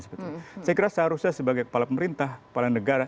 saya kira seharusnya sebagai kepala pemerintah kepala negara